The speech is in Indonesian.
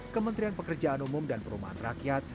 kementerian pekerjaan umum dan perumahan rakyat